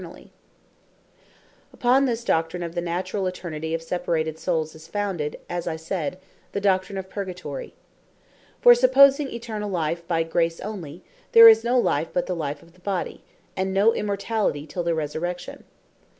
Answer Of The Texts Alledged For Purgatory Upon this Doctrine of the Naturall Eternity of separated Soules, is founded (as I said) the Doctrine of Purgatory. For supposing Eternall Life by Grace onely, there is no Life, but the Life of the Body; and no Immortality till the Resurrection.